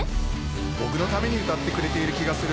僕のために歌ってくれている気がする。